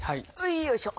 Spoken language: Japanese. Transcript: よいしょ！